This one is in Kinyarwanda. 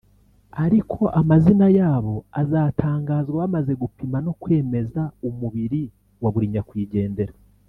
ariko amazina yabo azatangazwa bamaze gupima no kwemeza umubiri wa buri nyakwigendera